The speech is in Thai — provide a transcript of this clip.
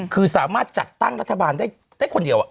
คือสามารถจัดตั้งรัฐบาลได้คนเดียว